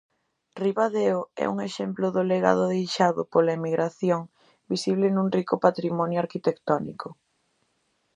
Ribadeo é un exemplo do legado deixado pola emigración visible nun rico patrimonio arquitectónico.